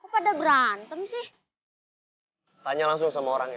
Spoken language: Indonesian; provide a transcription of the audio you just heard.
kok pada berantem sih tanya langsung sama orangnya